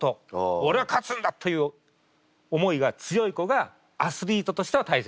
俺は勝つんだという思いが強い子がアスリートとしては大成すると思います。